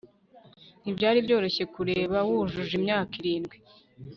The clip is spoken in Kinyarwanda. ntibyari byoroshye kureba wujuje imyaka irindwi